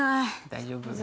大丈夫？